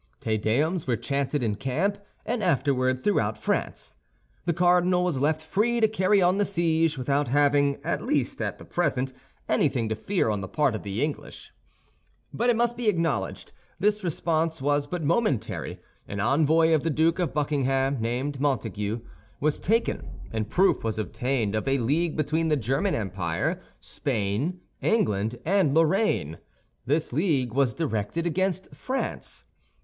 Te Deums were chanted in camp, and afterward throughout France. The cardinal was left free to carry on the siege, without having, at least at the present, anything to fear on the part of the English. But it must be acknowledged, this response was but momentary. An envoy of the Duke of Buckingham, named Montague, was taken, and proof was obtained of a league between the German Empire, Spain, England, and Lorraine. This league was directed against France.